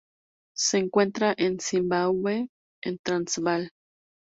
Se encuentra en Zimbabue y Transvaal.